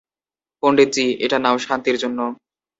পন্ডিত জি - এটা নাও, শান্তির জন্য।